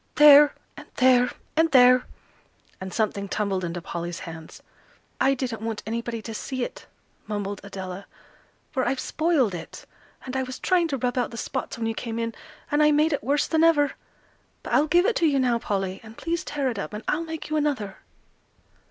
"There, and there, and there!" and something tumbled into Polly's hands. "I didn't want anybody to see it," mumbled Adela, "for I've spoiled it; and I was trying to rub out the spots when you came in, and I made it worse than ever. But I'll give it to you now, Polly; and please tear it up, and I'll make you another."